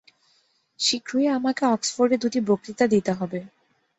শীঘ্রই আমাকে অক্সফোর্ডে দুটি বক্তৃতা দিতে হবে।